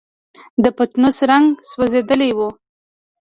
د پتنوس رنګ سوځېدلی و.